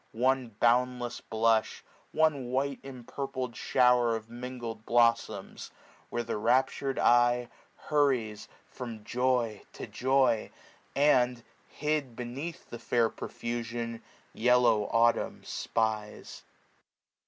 One boundless blush ; one white empurpled fhower Of mingled blolToms ; where the raptur'd eye no SPRING. Hurries from joy to joy, and, hid beneath The fair profusion, yellow Autumn spies.